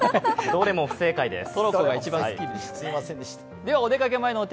どれも不正解です。